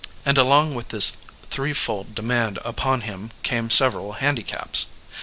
And along with this threefold demand upon him came several handicaps.